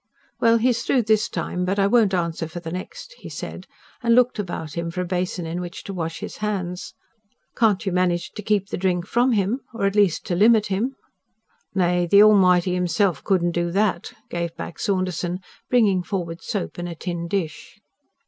"Well, he's through this time, but I won't answer for the next," he said, and looked about him for a basin in which to wash his hands. "Can't you manage to keep the drink from him? or at least to limit him?" "Nay, the Almighty Himself couldn't do that," gave back Saunderson, bringing forward soap and a tin dish.